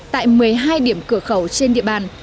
tại một mươi hai điểm cửa khẩu trên địa bàn